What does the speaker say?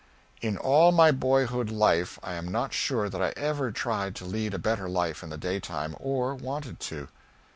In all my boyhood life I am not sure that I ever tried to lead a better life in the daytime or wanted to.